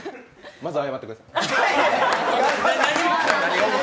まず謝ってください。